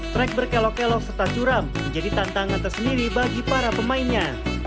track berkelok kelok serta curam menjadi tantangan tersendiri bagi para pemainnya